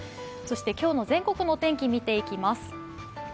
そして今日の全国の天気を見ていきます。